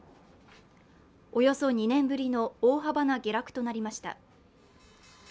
およそ２年ぶりの大幅な下落となりました。